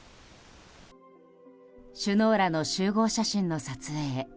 首脳らの集合写真の撮影。